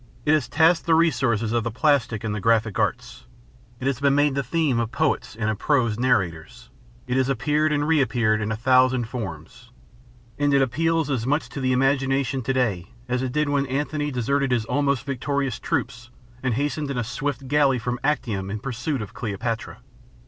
It has tasked the resources of the plastic and the graphic arts. It has been made the theme of poets and of prose narrators. It has appeared and reappeared in a thousand forms, and it appeals as much to the imagination to day as it did when Antony deserted his almost victorious troops and hastened in a swift galley from Actium in pursuit of Cleopatra.